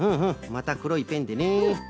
またくろいペンでね。